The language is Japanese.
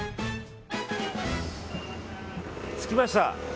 着きました。